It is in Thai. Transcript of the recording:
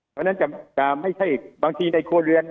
เพราะฉะนั้นจะไม่ใช่บางทีในครัวเรือน